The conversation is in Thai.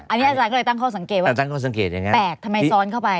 อันนี้อาจารย์ก็เลยตั้งข้อสังเกตว่าแปลกทำไมซ้อนเข้าไป